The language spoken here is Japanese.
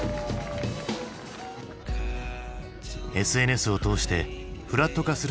ＳＮＳを通してフラット化する世界。